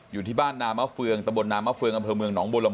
อยู่ที่บ้านนามฟวีวงตะบนนามฟวีวงอบพบุรมภูโมงง